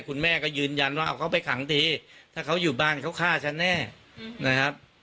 คุณแม่ก็ยืนยันว่าเอาเขาไปขังดีถ้าเขาอยู่บ้านเขาฆ่าฉันแน่นะครับ